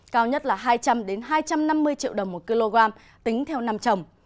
cao nhất là hai trăm linh hai trăm năm mươi triệu đồng một kg tính theo năm trồng